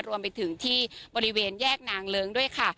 รวมไปถึงที่บริเวณแยกนางเลิ้งด้วยค่ะ